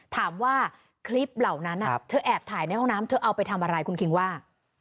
ถามว่าคลิปเหล่านั้นเธอแอบถ่ายในห้องน้ำเธอเอาไปทำอะไรคุณคิงว่า